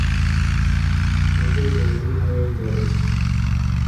একে গর্ভধারণ বলে।